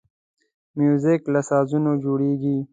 موزیک له سازونو جوړیږي.